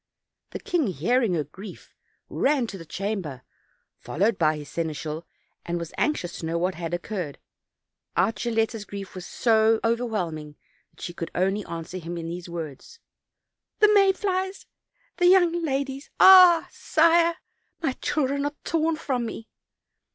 The king, hearing her grief, ran to the cham ber, followed by his seneschal, and was anxious to know what had occurred; out Gilletta's grief was so over whelming that she could only answer him in these words: "The may flies! the young ladies! ah! Sire, my children are torn from me!'